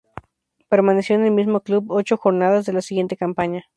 Permaneció en el mismo club ocho jornadas de la siguiente campaña.